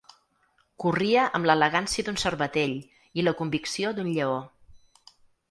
Corria amb l’elegància d’un cervatell i la convicció d’un lleó.